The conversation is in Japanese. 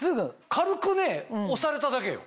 軽くね押されただけよ。